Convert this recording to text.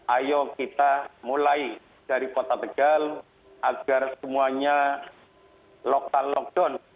ayo kita mulai dari kota tegal agar semuanya lokal lockdown